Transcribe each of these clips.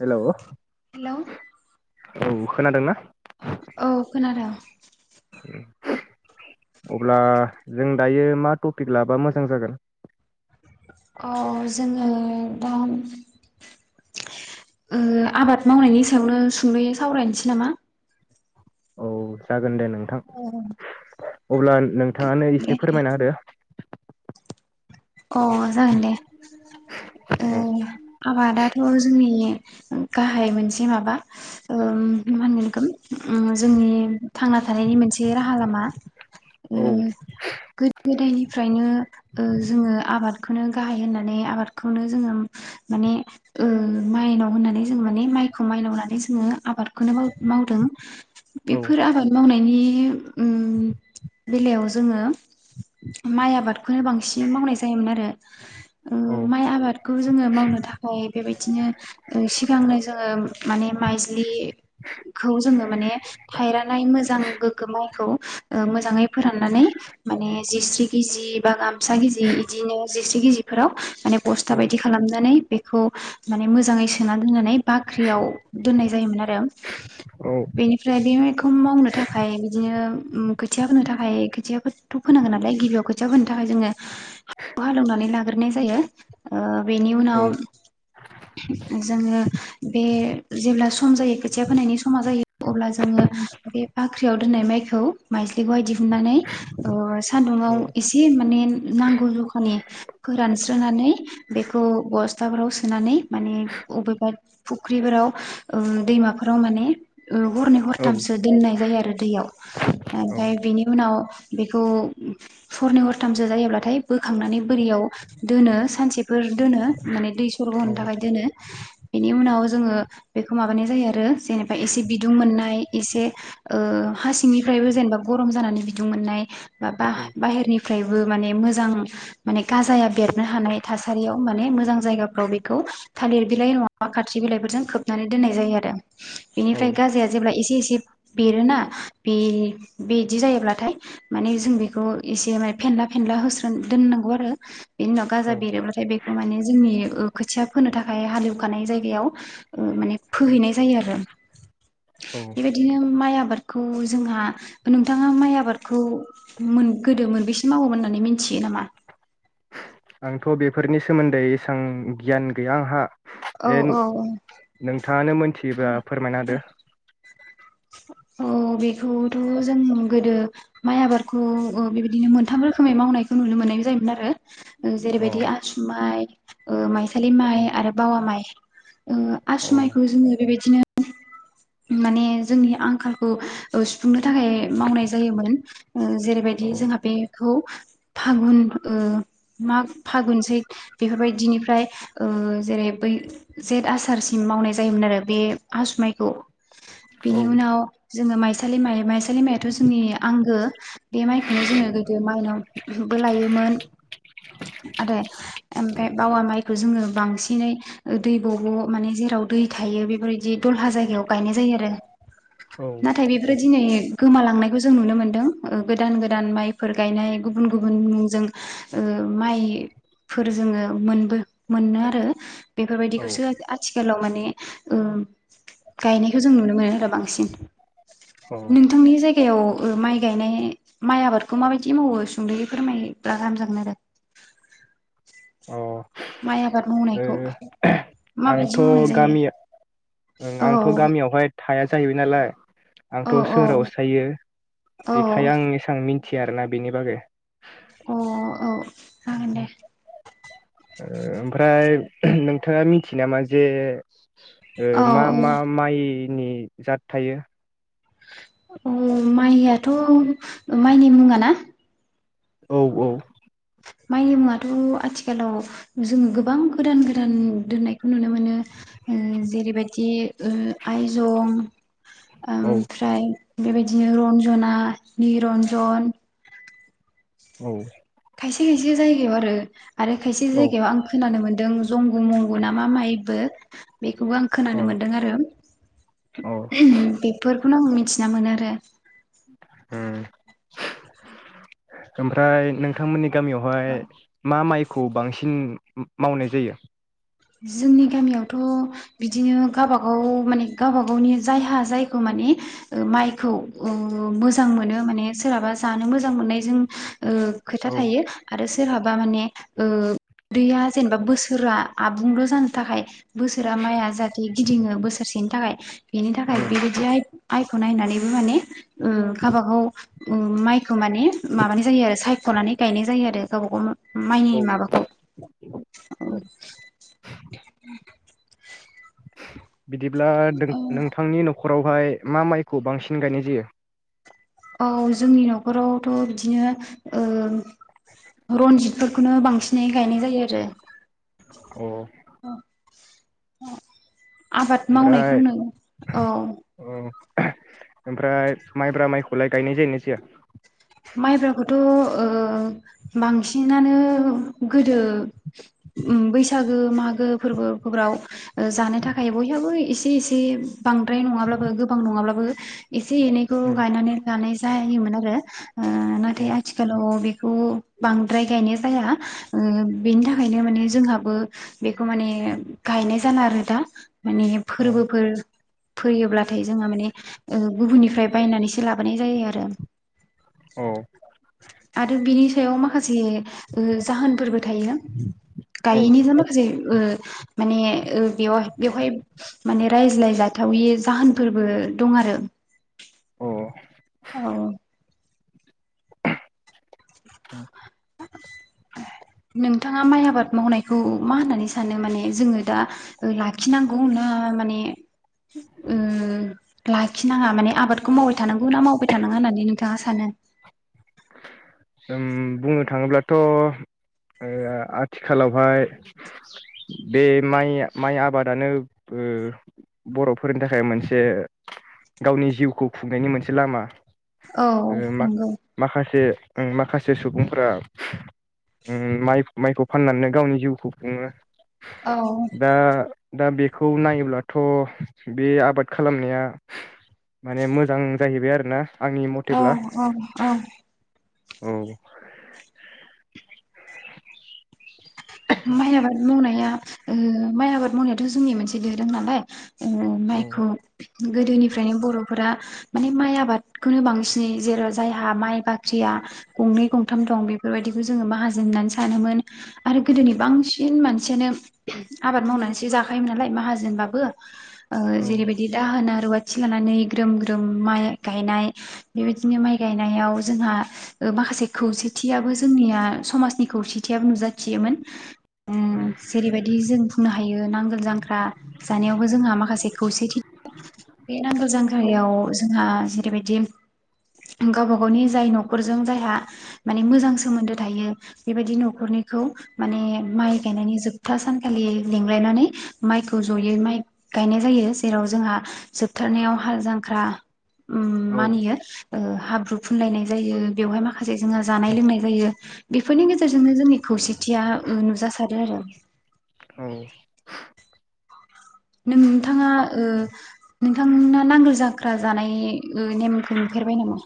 Hello. Hello. औ खोनादों ना? औ खोनादों। उम अब्ला जों दायो मा टपिक लाबा मोजां जागोन? अ जोङो दा उम आबाद मावनायनि सायावनो सुंदयै सावरायनोसै नामा? औ जागोन दे नोंथां। अब्ला नोंथांङानो दे एसे फोरमायना होदो। अ जागोन दे। औ उम आबादाथ' जोंनि गाहाय मोनसे माबा उम मा होनगोन बेखौ उम जोंनि थांना थानायनि मोनसे राहा लामा। उम औ गोदो गोदायनिफ्रायनो उम जोङो आबादखौनो गाहाय होननानै आबादखौनो जोङो माने ओ माइनाव होननानै जों माने माइखौ माइनाव होननानै जोङो आबाद खौनो मावदों। बेफोर आबाद मावनाय दानि [inaudible] बेलायाव जोङो माइ आ बादखौनो बांसिन मावनाय जायो दे होनबा लाय औ उम माइ आबादखौ जोङो मावनो थाखाय बेबायदिनो ओ सिगांनो जोङो माने माइज्लिखौ जोङो माने थायरानाय मोजां गोग्गो माइ खौ मोजाङै फोराननानै माने जिस्रि गिजि बा गामसा गिजि बिदिनो जिस्रि गिजि फोराव माने बस्था औ बायदि खालामनानै बेखौ माने मोजाङै सोना दोननानै बाख्रियाव दोननाय जायोमोन आरो औ बेनिफ्राय बे माइखौ मावनो थाखाय बिदिनो ओम खोथिया फोनो थाखाय खोथियाथ' फोनांगोन नालाय गिबियाव खोथिया फोनो थाखाय जोङो खौ हालेवनानै लागोरनाय जायो ओ बेनि उनाव औ जोङो बे जेब्ला सम जायो खोथिया फोनायनि समा जायो अब्ला जोङो बे बाख्रि ख्रियाव दोननाय माइखौ माइस्लिखौहाय दिहुननानै ओ औ सान्दुुंआव एसे माने नांगौ जखा माने फोरानस्रोनानै बेखौ बस्थाफोराव सोनानै माने अबेबा फुख्रिफोराव ओ दैमाफोराव माने ओ हरनै हरथामसो दोननाय जायो आरो दैयाव ओमफाय बेनि उनाव बेखौ हरनै हरथामसो जायोब्लाथाय बो खांनानै बोरियाव दोनो सानसेफोर दोनो माने दैसरद होनो औ थाखाय दोनो इनि उनाव जोङो बेखौ माबानाय जायो आरो जेनेबा एसे बिदुं मोननाय एसे ओ हासिंनिफ्रायबो जेनेबा गरम जानानै बिदुं मोननाय बा बा बाहेरनिफ्रायबो माने मोजां माने गाजाया बेरनो हानाय थासारियाव माने मोजां जायगाफ्राव बेखौ थालिर बिलाइ नङा खाथ्रि बिलाइफोरजों खोबनानै दोननाय जायो आरो औ इनिफ्राय गाजाया जेब्ला इसे इसे बेरोना बे बिदि जायोब्लाथाय माने जों बेखौ एसेनोय फेनला फेनला होस्रोन दोननांगौ आरो बेनि उनाव औ गाजा बेरोब्लाथाय बेखौ माने जोंनि ओ खोथिया फोनो थाखाय हालेवखानाय जायगायाव ओ माने फोहैनाय जायो आरो बेबायदिनो माइ आबादखौ जोंहा नोंथाङा माइ आबादखौ मोन गोदो मोनबैसे मावोमोन होननानै मिथियो नामा? आंथ' बेफोरनि सोमोन्दै एसां गियान गैया आंहा औ ए औ नोंथाङानो मोनथियोबा फोरमायना होदो अ बेखौथ' जों गोदो माइ आबादखौ ओ बेबादिनो मोनथाम रोखोमै मावनायखौ नुनो मोननाय जायोमोन आरो ओ अ जेरैबायदि आसु माइ ओ माइसालि औ माइ आरो बावा माइ ओ औ आसु माइखौ जोङो बेबायदिनो माने जोंनि आंखालखौ ओ सुफुंनो थाखाय मावनाय जायोमोन ओ जेरैबायदि औ जोंहा बेखौ फागुन ओ माग फागुन सैथ बेफोरबायदिनिफ्राय ओ जेरै बै जेत आसारसिम मावनाय जायोमोन आरो बे आसु माइखौ औ बेनि उनाव जोङो माइसालि माइ माइसालि माइयाथ' जोंनि आंगो बे माइखौनो जोङो गोदो माइनावबो लायोमोन आरो ओमफ्राय बावा माइखौ जोङो बांसिनै ओ दैब'ब' माने जेराव दै थायो बेफोरदि दलहा जायगायाव गायनाय जायो आरो नाथाय बेफोरो दिनै गोमालांनायखौ जों नुनो मोन्दों ओ गोदान गोदान माइफोर गायनाय गुबुन गुबुन मुंजों ओ माइफोर जोङो मोनबो मोनो आरो औ बेफोरबायदिखौसो आथिखालाव माने ओ गायनायखौ जों नुनो मोनो आरो बांसिन औ नोंथांनि जायगायाव ओ माइ गायनाय माइ आबादखौ माबायदि मावो सुंद'यै फोरमायब्ला गाहाम जागोन आरो माइ आबाद अ ओ मावनायखौ माबायदि आंथ' मावनाय जायो गामिया ओं औ आंथ' गामियावहाय थाया जाहैबाय नालाय आंथ' औ औ सोहोरावसो थायो औ बेखाय आं एसां मिन थिया आरोना बिनि बागै अ औ जागोन दे ओ ओमफ्राय नोंथाङा मि थियो नामा जे ओ औ मा औ मा माइ नि जाद थायो औ माइयाथ' ओ माइनि मुङा ना औ-औ माइनि मुङाथ' आथिखालाव जोङो गोबां गोदान गोदान दोननायखौ नुनो मोनो ओ जेरैबायदि ओ आइजं औ ओमफ्राय बेबायदिनो रन्जना नि रन्जन औ खायसे खायसे जायगायाव आरो आरो खायसे औ जायगायाव आं खोनानो मोन्दों जंग' मंगु ना मा माइबो [inaudible] बेखौबो आं खोनानो औ मोनदों आरो। औ जों बेफोर मिथिना मोनोरे उम ओमफ्राय नोंथांमोननि गामियावहाय औ मा माइखौ बांसिन मावनाय जायो? जोंनि गामियावथ' बिदिनो गावबागाव माने गावब गावनि जायहा जायखौ माने माइखौ ओ मोजां मोनो माने सोरहाबा जानो मोजां मोननायजों ओ खोथा औ थायो। आरो सोरहाबा माने ओ दैैया जेनेबा बोसोरा आबुंल' जानो थाखाय बोसोरा माइआ जाहाथे गिदिङो बोसोरसेनि थाखाय बेनि थाखाय औ बेबायदि आइ आइ नायनानैबो माने ओ हाबाखौ ओ माइखौ माने माबानाय जायो आरो सायख'नानै गायनाय जायो आरो। गावबा गाव माइनि औ माबाखौ [inaudible] बिदिब्ला औ नोंथांनि न खरावहाय मा माइखौ बांसिन गायनाय जायो? औ जोंनि न'खरावथ' बिदिनो ओ रनजितफोरखौनो बांसिनै गायनाय जायो आरो। अ [inaudible] आबाद ओमफ्राय मावनायखौनो औ अ ओमफ्राय माइब्रा माइखौलाय गायनाय जायो ना जाया? माइब्राखौथ' ओ बांसिनानो गोदो बैसागो मागो फोरबोफोराव जानो थाखाय बयहाबो एसे एसे बांद्राय नङाब्लाबो गोबां नङाब्लाबो एसे एनैखौ गायनानै लानाय जायोमोन आरो। उम औ नाथाय आथिखालाव बे खौ बांद्राय गायनाय जाया बेनि थाखायनो माने जोंहाबो बेखौ माने गायनाय जाना आरो दा। माने फोरबोफोर फोयोब्लाथाय जोंहा माने गुबुननिफ्राय बायनानैसो लाबोनाय जायो आरो। आरो बिनि सायाव माखासे ओ जाहोनफोरबो थायोना औ गायनिजों माखासे माने बेयाव बेवहाय माने रायज्लायजाथावि जाहोनफोरबो दं आरो औ औ औ नोंथाङा माइ आबाद मावनायखौ मा होननानै सानो माने जोङो दा लाखिनांगौ ना माने लाखिनाङा माने आबादखौ मावबाय थानांगौ ना मावबाय थानाङा होननानै नोंथाङा सानो बुंनो थाङोब्लाथ' आथिखालावहाय बे माइ माइ आबादानो बर'फोरनि थाखाय मोनसे गावनि जिउखौ खुंनायनि मोनसे लामा औ नंगौ जे माखासे सुबुंफ्रा उ माइ माइखौ फाननानैनो गावनि जिउखौ खुङो औ दा दा बेखौ नायोब्लाथ' बे आबाद खालामनाया माने मोजां जाहैबाय आरो ना औ औ औ औ माइ आबाद मावनाया ओ माइ आबाद मावनायाथ' जोंनि मोनसे दोरों नालाय ओ औ माइखौ गोदोनिफ्रायनो बर'फोरा माने माइ आबादखौनो बांसिनै जेराव जायहा माइ बाख्रिया गंनै गंथाम दं बेफोरबायदिखौ जोङो माहाजोन होननानै सानोमोन आरो गोदोनि बांसिन मानसियानो आबाद मावनानैसो जाखायोमोन नालाय माहाजोनबाबो औ जेरैबायदि दाहोना रुवा थि लानानै ग्रोम ग्रोम माइ गायनाय बेबायदिनो माइ गायनायाव जोंहा माखासे खौसेथियाबो जोंनिया समाजनि खौसेथियाबो नुजाथियोमोन जेरैबायदि जों बुंनो हायो नांगोल जांख्रा जानायावबो जोंहा माखासे खौसेथि बे नांगोल औ जांख्रायाव जोंहा जेरैबायदि गावबा गावनि जाय न'खरजों जायहा माने मोजां सोमोन्दो थायो बेबायदि न'खरनिखौ माने माइ गायनायनि जोब जोबथा सानखालि लिंलायनानै माइखौ जयै माइ गायनाय जायो जेराव जोंहा जोबथारनायाव हाल जांख्रा उम औ मानियो। हाब्रु फुनलायनाय जायो बेवहाय माखासे जोङो जानाय लोंनाय जायो बेफोरनि गेजेरजोंनो जोंनि खौसे [unintelligible] नुजासादो आरो। औ नों नोंथाङा नोंथांना नांगोल जाख्रा जानाय नेमखौ नुफेरबाय नामा?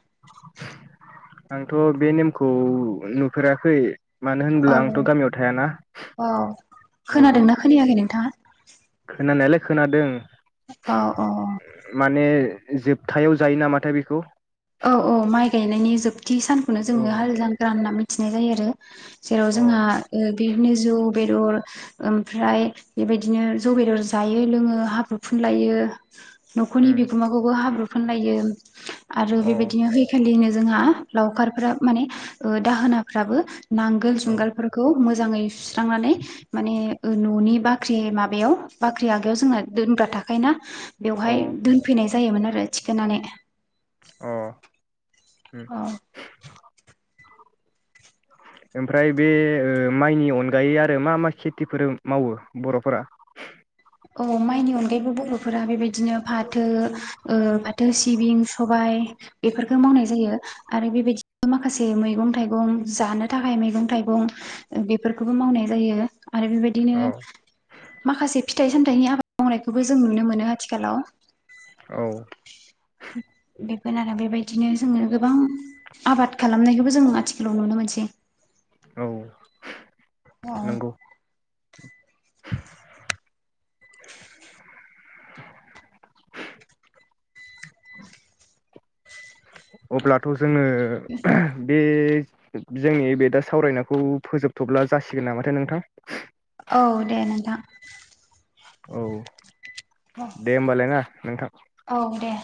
आंथ' बे नेमखौ नुफेराखै। मानो औ होनब्ला आंथ' गामियाव थायाना औ औ खोनादोंना खोनायाखै नोंथाङा? खोनानायालाय खोनादों। औ औ। माने जोबथायाव जायो नामाथाय बेखौ? औ औ माइ गायनायनि [unintelligible] [unintelligible] सानखौनो औ जोङो हाल जांख्रा होननानै मिथिनाय जायो आरो। जेराव अ जोंहा ओ बिदिनो जौ, बेदर ओमफ्राय बेबायदिनो जौ, बेदर जायो लोङो हाब्रु फुनलायो। न'खरनि उम बिगोमाखौबो हाब्रु फोनलायो आरो अ औ बेबायदिनो हैखालिनो जोंहा लावखार माने दाहोनाफ्राबो नांगोल जुंगालफोरखौ [unintelligible] मोजाङै सुस्रांनानै माने न'नि बाख्रि माबायाव बाख्रि आगायाव जोंना दोनग्रा थाखायो ना अ बेवहाय उम दोनफैनाय जायोमोन आरो थिखोनानै। अह। उम। औ ओमफ्राय बे माइनि अनगायै आरो मा मा खेथिफोर मावो बर'फोरा? औ माइनि अनगायैबो बर'फोरा बेबायदिनो फाथो ओ फाथो, सिबिं, सबाय बेफोरफोरखौ मावनाय जायो आरो बेबायदिनो माखासे मैगं थाइगं जानो थाखाय मैगं थाइगं बेफोरखौबो मावनाय जायो। आरो बेबायदिनो औ माखासे फिथाइ सामथाइनि आबाद मावनायखौबो जों नुनो मोनो आथिखालाव। औ [unintelligible] [unintelligible] बेबायदिनो जोङो गोबां आबाद खालामनायखौबो जों आथिखालाव नुनो मोनसै। औ नंगौ। अब्लाथ' जोङो बे जोंनि बे दा सावरायनायखौ फोजोबथ'ब्ला जासिगोन नामाथाय नोंथां? औ दे नोंथां। औ। दे होमबालाय ना नोंथां? औ दे